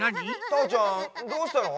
たーちゃんどうしたの？